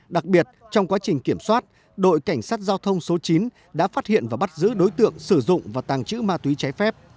đặc biệt trong quá trình kiểm soát đội cảnh sát giao thông số chín đã phát hiện và bắt giữ đối tượng sử dụng và tàng trữ ma túy trái phép